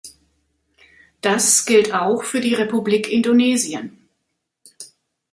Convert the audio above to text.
Das gilt auch für die Republik Indonesien.